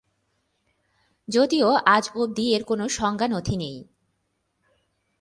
যদিও আজ অব্দি এর কোনো সংজ্ঞা নথি নেই।